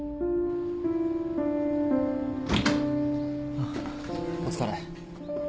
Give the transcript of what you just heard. あっお疲れ。